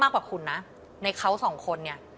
กว่าคุณนะในเขาสองคนเนี่ย